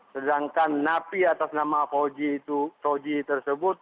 sedangkan napi atas nama toji tersebut